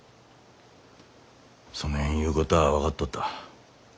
そねん言うこたあ分かっとった。